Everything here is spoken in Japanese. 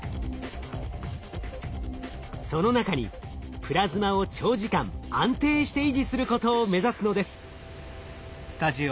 その中にプラズマを長時間安定して維持することを目指すのです。